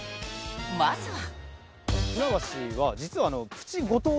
［まずは］